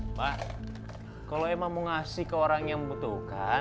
mbak kalau emang mau ngasih ke orang yang membutuhkan